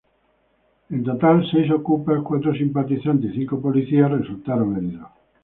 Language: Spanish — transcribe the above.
En total, seis "okupas", cuatro simpatizantes y cinco policías resultaron heridos.